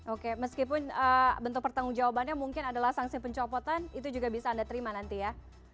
oke meskipun bentuk pertanggung jawabannya mungkin adalah sanksi pencopotan itu juga bisa anda terima nanti ya